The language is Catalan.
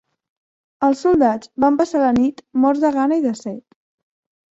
Els soldats van passar la nit morts de gana i de set.